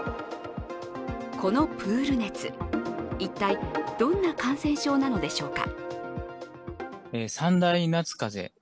このプール熱、一体どんな感染症なのでしょうか。